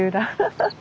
ハハハ！